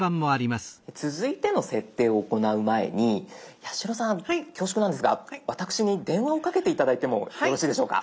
続いての設定を行う前に八代さん恐縮なんですが私に電話をかけて頂いてもよろしいでしょうか？